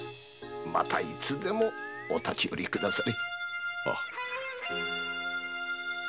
またいつでもお立寄り下され。